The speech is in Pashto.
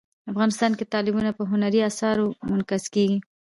افغانستان کې تالابونه په هنري اثارو کې منعکس کېږي.